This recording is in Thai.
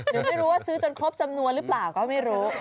หรือไม่รู้ว่าซื้อจนครบจำนวนหรือเปล่าก็ไม่รู้